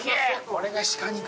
これが鹿肉。